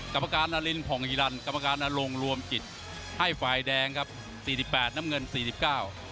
กรรมการนารินผ่องอีรันกรรมการอลงรวมจิตให้ฝ่ายแดงครับสี่สิบแปดน้ำเงินสี่สิบเก้า